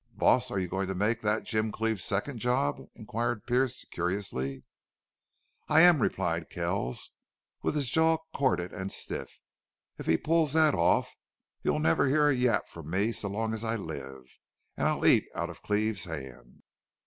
"Boss, are you goin' to make thet Jim Cleve's second job?" inquired Pearce, curiously. "I am," replied Kells, with his jaw corded and stiff. "If he pulls thet off you'll never hear a yap from me so long as I live. An' I'll eat out of Cleve's hand."